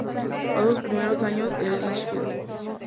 Pasó sus primeros años en Lichfield.